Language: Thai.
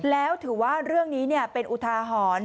แล้วถือว่าเรื่องนี้เป็นอุทาหรณ์